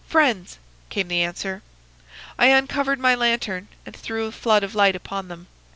"'Friends,' came the answer. I uncovered my lantern and threw a flood of light upon them.